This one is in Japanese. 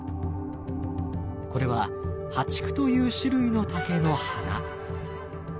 これは淡竹という種類の竹の花。